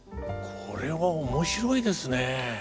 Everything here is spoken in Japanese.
これは面白いですね。